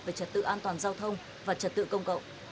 về trật tự an toàn giao thông và trật tự công cộng